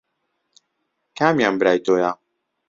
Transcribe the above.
کامیان برای تۆیە؟